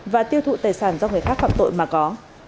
và tiêu thụ tài sản do người khác phạm tội mà có